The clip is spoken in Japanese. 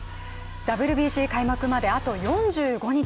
ＷＢＣ開幕まであと４５日。